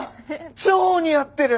超似合ってる！